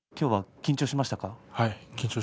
緊張しました。